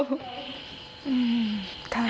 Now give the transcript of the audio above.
อืมค่ะ